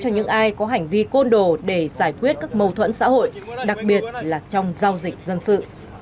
những ai có hành vi côn đồ để giải quyết các mâu thuẫn xã hội đặc biệt là trong giao dịch dân sự